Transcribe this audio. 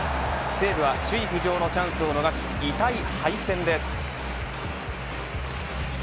西武は首位浮上のチャンスを逃し痛い敗戦です。